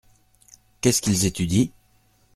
Qu’est-ce qu’ils étudient ?